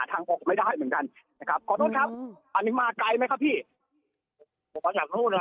ตอนนี้เรื่องคือได้ยินเสียงไหมวะ